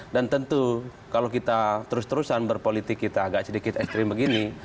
dan tentu kalau kita terus terusan berpolitik kita agak sedikit ekstrim begini